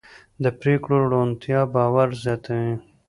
د پرېکړو روڼتیا باور زیاتوي